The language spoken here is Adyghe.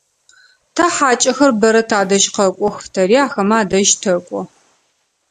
Тэ хьакӏэхэр бэрэ тадэжь къэкӏох, тэри ахэмэ адэжь тэкӏо.